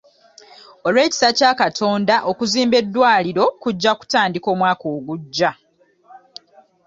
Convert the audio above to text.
Olw'ekisa kya Katonda, okuzimba eddwaliro kujja kutandika omwaka ogujja.